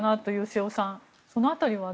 瀬尾さん。